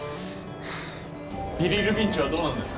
ビリルビン値はどうなんですか？